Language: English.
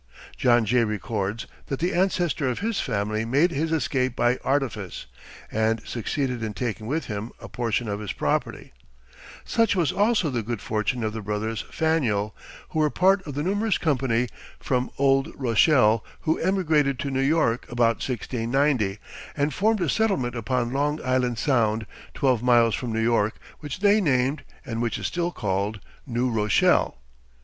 John Jay records that the ancestor of his family made his escape by artifice, and succeeded in taking with him a portion of his property. Such was also the good fortune of the brothers Faneuil, who were part of the numerous company from old Rochelle who emigrated to New York about 1690, and formed a settlement upon Long Island Sound, twelve miles from New York, which they named, and which is still called, New Rochelle.